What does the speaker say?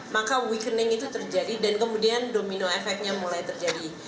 maka weakening itu terjadi dan kemudian domino effect nya mulai terjadi